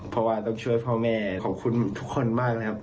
เพราะว่าต้องช่วยพ่อแม่ขอบคุณทุกคนมากนะครับ